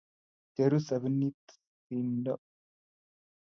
Cheru sapunit simndo.